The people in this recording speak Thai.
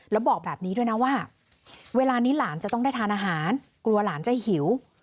แล้วบอกแบบนี้ด้วยนะว่าเวลานี้หลานจะต้องได้ทานอาหารกลัวหลานจะหิว